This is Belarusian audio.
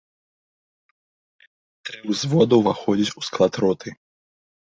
Тры ўзвода ўваходзяць у склад роты.